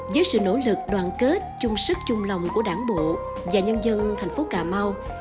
với sự nỗ lực đoàn kết chung sức chung lòng của đảng bộ và nhân dân thành phố cà mau